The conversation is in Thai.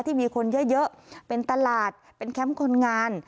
ที่มีคนเยอะเป็นตลาดเป็นแคมป์คนงาน